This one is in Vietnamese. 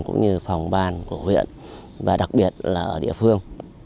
cũng như phòng ban của huyện và đặc biệt là ở địa phương